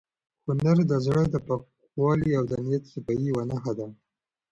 هنر د زړه د پاکوالي او د نیت د صفایۍ یوه نښه ده.